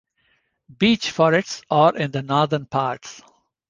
Beech forests are in the northern parts.